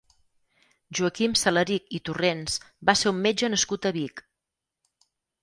Joaquim Salarich i Torrents va ser un metge nascut a Vic.